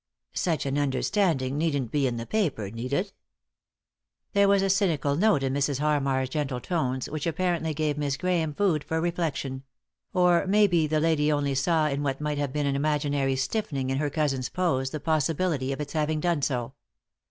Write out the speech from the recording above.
" Such an understanding needn't be in the paper — need it ?" There was a cynical note in Mrs. Harmar's gentle tones which apparently gave Miss Grahame food for reflection ; or maybe the lady only saw in what might have been an imaginary stiffening in her cousin's pose the possibility of its having done so.